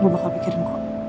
gue bakal pikirin kok